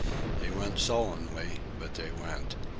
They went sullenly, but they went.